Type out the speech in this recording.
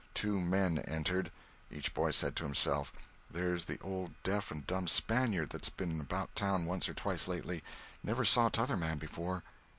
Two men entered. Each boy said to himself: "There's the old deaf and dumb Spaniard that's been about town once or twice lately—never saw t'other man before."